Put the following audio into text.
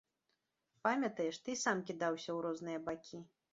Памятаеш, ты і сам кідаўся ў розныя бакі.